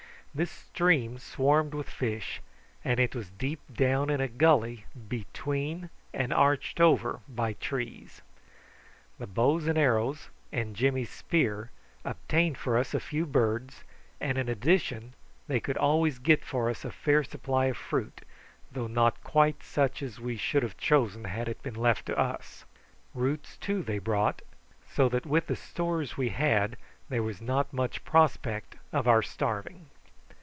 This stream swarmed with fish, and it was deep down in a gully between and arched over by trees. The bows and arrows and Jimmy's spear obtained for us a few birds, and in addition they could always get for us a fair supply of fruit, though not quite such as we should have chosen had it been left to us. Roots, too, they brought, so that with the stores we had there was not much prospect of our starving.